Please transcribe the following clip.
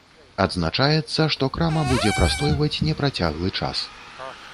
Адзначаецца, што крама будзе прастойваць непрацяглы час.